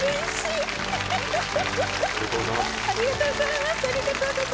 ありがとうございます。